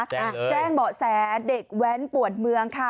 แจ้งเบาะแสเด็กแว้นปวดเมืองค่ะ